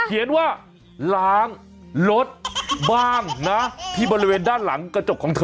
เขียนว่าล้างรถบ้างนะที่บริเวณด้านหลังกระจกของเธอ